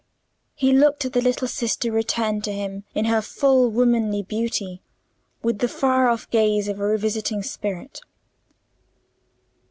He looked at the little sister returned to him in her full womanly beauty, with the far off gaze of a revisiting spirit.